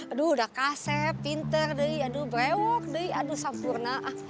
aduh udah kaset pinter deh aduh berewok deh aduh sampurna